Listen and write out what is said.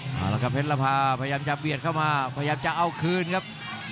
เอาละครับเพชรละพาพยายามจะเบียดเข้ามาพยายามจะเอาคืนครับ